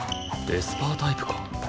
エスパータイプか。